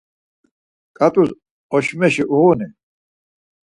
Ǩat̆us oşmeşi uğuni?